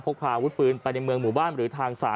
พาอาวุธปืนไปในเมืองหมู่บ้านหรือทางศาล